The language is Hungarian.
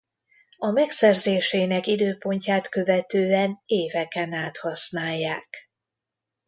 A megszerzésének időpontját követően éveken át használják.